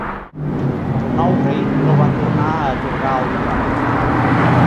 El nou rei no va tornar a atorgar el ducat.